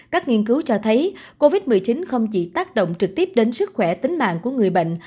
các nghiên cứu cho thấy covid một mươi chín không chỉ tác động trực tiếp đến sức khỏe tính mạng của người bệnh